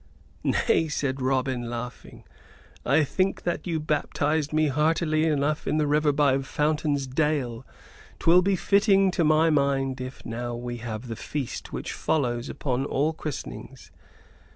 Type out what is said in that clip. "Nay," said Robin, laughing, "I think that you baptized me heartily enough in the river by Fountain's Dale! 'Twill be fitting, to my mind, if now we have the feast which follows upon all christenings.